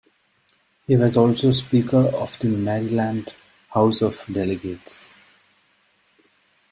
He was also Speaker of the Maryland House of Delegates.